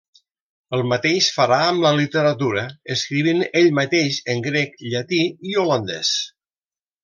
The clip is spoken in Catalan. El mateix farà amb la literatura, escrivint ell mateix en grec, llatí i holandés.